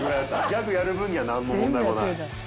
ギャグやる分にはなんの問題もない。